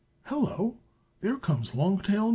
Hello! there comes Long Tail No.